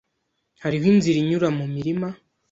Hariho inzira inyura mumirima.